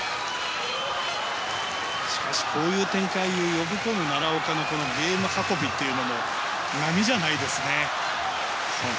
しかし、こういう展開を呼び込む奈良岡のゲーム運びというのも並みじゃないですね。